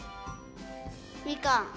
みかん！